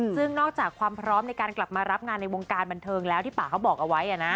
ซึ่งนอกจากความพร้อมในการกลับมารับงานในวงการบันเทิงแล้วที่ป่าเขาบอกเอาไว้